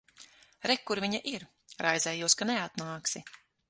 Re, kur viņa ir. Raizējos, ka neatnāksi.